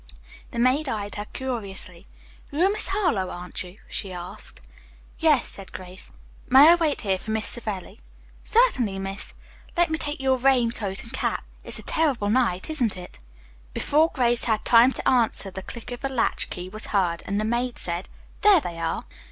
The maid eyed her curiously. "You are Miss Harlowe, aren't you?" she asked. "Yes," said Grace. "May I wait here for Miss Savelli?" "Certainly, miss. Let me take your rain coat and cap. It's a terrible night, isn't it?" Before Grace had time to answer the click of a latchkey was heard, and the maid said, "There they are."